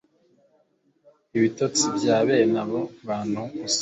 Ibitotsi bya bene aba bantu usanga